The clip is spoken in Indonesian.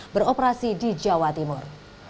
beroperasi di jawa timur